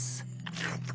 ありがとう。